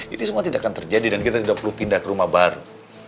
itu semua tidak akan terjadi dan kita tidak perlu pindah ke rumah baru